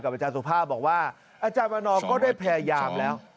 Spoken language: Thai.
อาจารย์สุภาพบอกว่าอาจารย์วันนอร์ก็ได้พยายามแล้ว